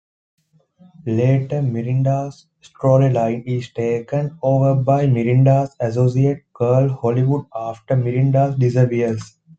Later Miranda's storyline is taken over by Miranda's associate Carl Hollywood after Miranda disappears.